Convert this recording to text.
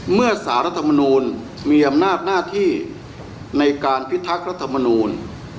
เมื่อสารรัฐมนูลมีอำนาจหน้าที่ในการพิทักษ์รัฐมนูล